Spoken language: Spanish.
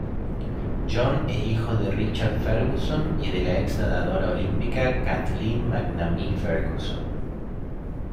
John es hijo de Richard Ferguson y de la ex-nadadora olímpica Kathleen MacNamee-Ferguson.